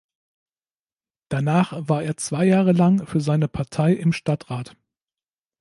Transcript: Danach war er zwei Jahre lang für seine Partei im Stadtrat.